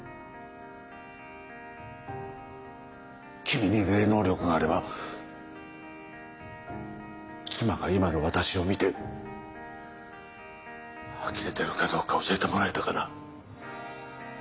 君に霊能力があれば妻が今の私を見てあきれてるかどうか教えてもらえたかな。